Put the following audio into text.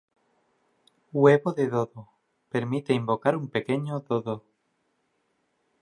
Huevo de dodo: Permite invocar un pequeño dodo.